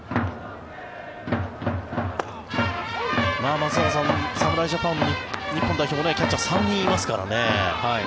松坂さん、侍ジャパン日本代表のキャッチャー３人いますからね。